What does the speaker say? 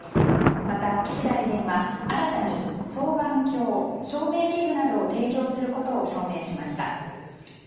また岸大臣は新たに双眼鏡、照明器具などを提供することを表明しました。